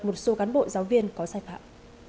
một số cán bộ giáo viên có sai phạm